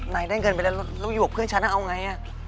นายได้เงินไปแล้วลูกหยุดเพื่อนฉันเอาไง